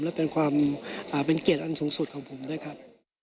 และเป็นความเป็นเกียรติอันสูงสุดของผมด้วยครับ